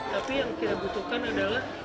tapi yang kita butuhkan adalah